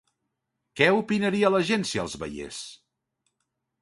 Què opinaria la gent si els veies?